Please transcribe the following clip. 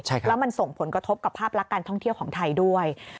แล้วมันส่งผลกระทบกับภาพลักษณ์การท่องเที่ยวของไทยด้วย